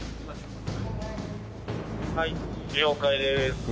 「はい了解です」